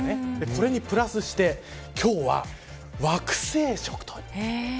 これにプラスして今日は惑星食と。